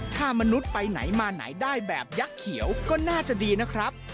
ถ้ามนุษย์ไปไหนมาไหนได้แบบยักษ์เขียวก็น่าจะดีนะครับ